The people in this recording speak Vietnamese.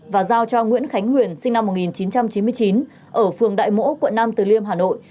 và giao cho nguyễn khánh huyền sinh năm một nghìn chín trăm chín mươi chín ở phường đại mỗ quận nam từ liêm hà nội